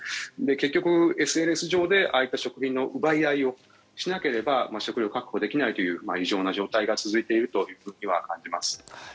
結局、ＳＮＳ上でああいった食料の奪い合いをしなければ食料を確保できないという異常な状態が続いていると感じます。